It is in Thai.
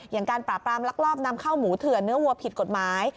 อย่างการปราบรามลักลอบนำเข้าหมูเถื่อนเนื้อวัวผิดกฎหมาย